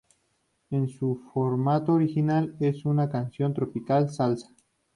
En su formato original, es una canción tropical-salsa.